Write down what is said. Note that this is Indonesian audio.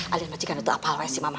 alin maji kan itu apaan sih mama